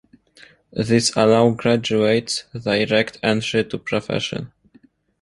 These allow graduates direct entry to the profession.